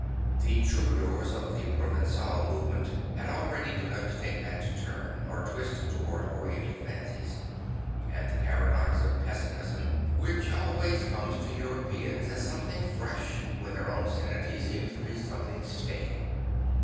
The Troubadours of the Provençal movement had already begun to take that turn or twist towards Oriental fancies and the paradox of pessimism, which always come to Europeans as something fresh when their own sanity seems to be something stale.